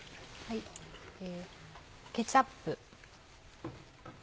ケチャップ。